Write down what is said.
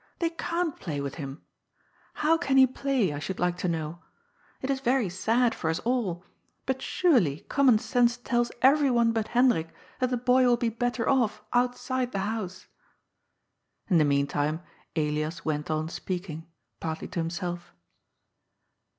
They can*t play with him I How can he play, I should like to know ? It is very sad for us all ; but surely common sense tells everyone but Hendrik that the boy will be better off outside the house." In the meantime Elias went on speaking, partly to him self.